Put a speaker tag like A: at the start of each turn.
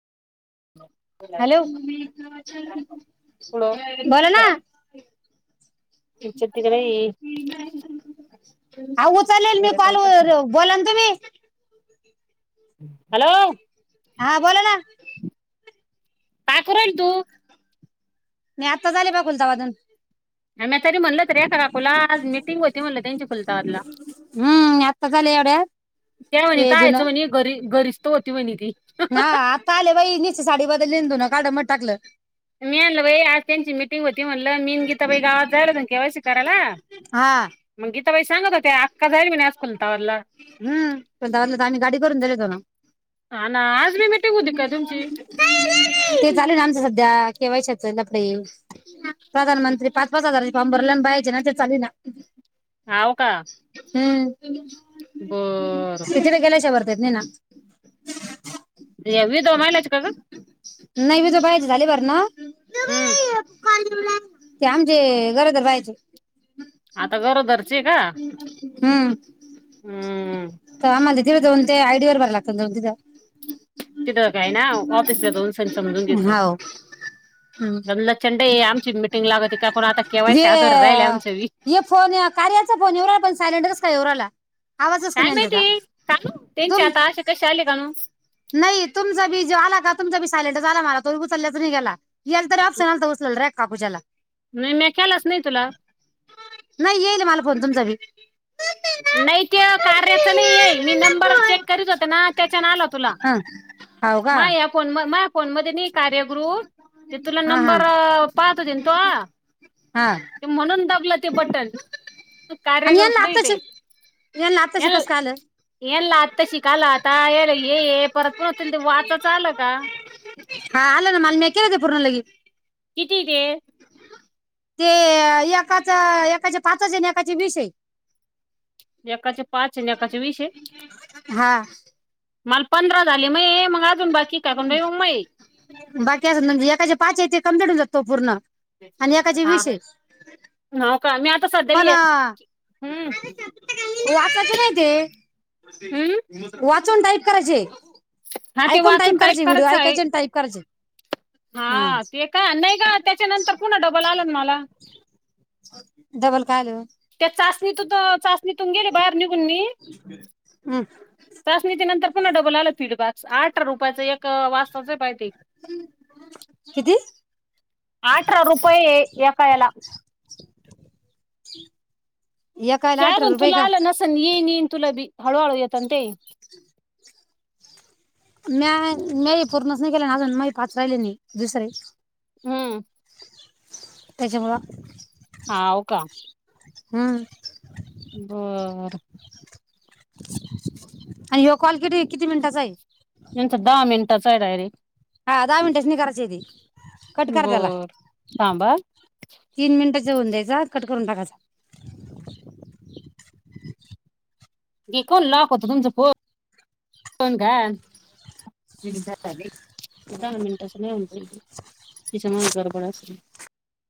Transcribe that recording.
A: Hello,
B: पुढं
A: बोला ना.
B: त्यांच्या तिकडे ये.
A: अओ उचाललेल मी कॉल, बोलान तुम्ही.
B: हॅलो,,
A: हा बोला ना
B: काय कारली तू?
A: मी आताच आले खुलताबादहून.
B: आणि म तरी म्हणलं रे एका काकूला, आज मीटिंग होती म्हणलं त्यांची खुलताबादला.
A: हम्म मी आत्ता आले एवढ्यात,
B: त्या म्हणे कायच म्हणे घरी, घरीच तर होती म्हणे ती.
A: हा, आता आले बाई, निसत साडी बदलली धूनं काढ मधे टाकलं.
B: मी आणलं बाई आज त्यांची मिटिंग होती म्हणलं, मी न गीता बाई गावात झालं होतो के वाय सी करायला.
A: हा.
B: मग गीताबाई सांगत होत्या आक्का जाईल म्हणे आज खुलताबाद ला.
A: हम्म खुलताबाद ला तर आम्ही गाडी करून दिले तो ना.
B: आन आज बी मीटिंग होती का तुमची?
A: ते चालू हाय ना आमचं सध्या केे वाय सी चे लफडे प्रधानमंत्री पाच, पाच हजाराचें फॉर्म भरले आणि बायांचे राज्य चालु हे ना.
B: हाव का.
A: हम्म,
B: बर
A: [inaudible] ते तिथे गेल्याशा भरता येत नाही ना.
B: ह्या विधवा महिलाचे का ग?
A: नाही विधवा बायाचे झाले भरं ना.
B: हम्म.
A: ते आमचे गरोदर बायचे
B: आता गरोदरचे का?
A: हम्म,
B: हम्म
A: [inaudible] कामालेतं. ते दोन ते आयडी वर भरा लागतात दोन, तीन दा
B: तिथं काय ना ऑफिसला जाऊन सन समजून घ्यायचं.
A: हाव. हम्म
B: लय लचंडेई आमची मीटिंग लागती का आता K Y
A: J
B: C Aadhaar राहिले आमचे बी
A: हे फोन कार्याचा फोन येवून राहिला पण सायलेंटच कसं काय येऊन राहिला? आवाजच
B: काय माहिती कानू
A: [unintelligible]
B: त्यांचे
A: तुम
B: आता [unintelligible]
A: नाही तुमचा बी जो आला का तुमचा बी सायलेंटच आला मला तोही उचलल्याच नाही गेला. येल त तरर आपप सणाल तोसल र काकूजाला [unintelligible]
B: नाही मी केल्याचं नाही तुला.
A: नाही येल हे मला फोन तुमचा बी.
B: नाही ते कार्याच नाही आहे मी नंबर चेक करीत होते ना त्यांच्या ना आला तुला
A: हा. हाव का
B: माया फोन म माया फोन मध्ये नि कार्या ग्रूप ते तुला
A: हा हा
B: नंबर पाहत होते तोवा
A: हा
B: ते म्हणून दाबलं ते बटन ते कार्य ग्रुप नाही ते.
A: यानला आत्ता शि कसं काय आलं?
B: येनला आत्ता शि काला आता हे ये ये परत पण तुला ते वाचाच आल का?
A: हा आल ना मला म्या केलाश ते पूर्ण लगीच.
B: किती तेे?
A: ते एकाचं एकाचे पाचच आहे आणि एकाचे वीस ये.
B: एकाचे पाच येन एकाचे वीस ये.
A: हा
B: मला पंधरा झाले मग ये मग अजून बाकी का [unintelligible] मई
A: बाकी असल एकाचे पाच आहे ते कंप्लीट होतो पूर्ण. आणि एकाचे वीस
B: हा का, मी आता स
A: होना, वाचाचे नाही ते?
B: हम्म
A: वाचून टाईप करायचे
B: हा ते
A: ऐकून टाईप
B: वाचून
A: करायचे व्हिडिओ
B: करायचं आहे.
A: ऐकायचे आणि टाईप करायचे.
B: हा ते का नाही ग त्याच्या नंतर पुन्हा डबल आला ना मला
A: डबल काय आलं?
B: त्या चाचणीतु चाचणीतून गेले बाहेर निघून मी
A: हम्म
B: चाचणी च्या नंतर पुन्हा डबल आलं फीडबॅक्स, आठरा रुपयाच एक क वासांच हाय पाहाय ते
A: किती?
B: आठरा रुपये एका ह्याला
A: एका ह्याला अठरा रुपये का?
B: पण येईन-येईन तुला बी, हळूहळू येतात ना ते.
A: म्या-म्या हे पूर्णच नाही केलं ना, अजून माई पाच राहिले नाही दुसरे
B: हम्म.
A: तेच्यामुळे.
B: हाव का.
A: हम्म.
B: बरं.
A: आणि ह्यो कॉल कीरे किती मिनिटाचा आहे.
B: हेंचा दहा मिनिटाचां हाय डायरेक्ट.
A: हा दहा मिनटेच निघराचे कट कर तेला.
B: बर थांबा
A: तीन मिनिटंच डायरेक्ट कट करून टाकायचा.
B: कोण लॉक होत तुमचा फोन का. ते दहा मिनट असं नाही, होन तिच्या मग गडबड असल.